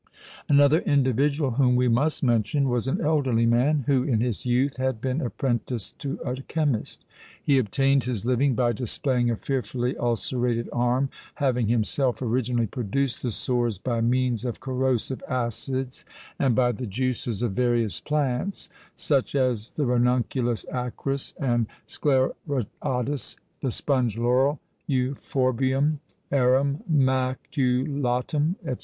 Another individual whom we must mention, was an elderly man, who in his youth had been apprenticed to a chemist. He obtained his living by displaying a fearfully ulcerated arm, having himself originally produced the sores by means of corrosive acids and by the juices of various plants—such as the ranunculus acris and sceleratus, the sponge laurel, euphorbium, arum maculatum, &c.